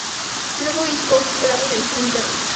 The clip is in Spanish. Luego hizo un post grado en Medicina Interna.